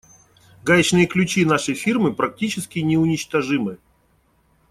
Гаечные ключи нашей фирмы практически неуничтожимы.